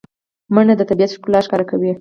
منډه د طبیعت ښکلا ښکاروي